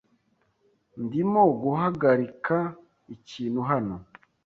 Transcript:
Ndimo guhagarika ikintu hano?